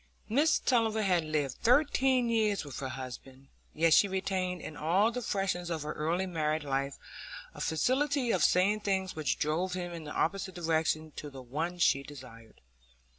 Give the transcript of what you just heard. Mrs Tulliver had lived thirteen years with her husband, yet she retained in all the freshness of her early married life a facility of saying things which drove him in the opposite direction to the one she desired.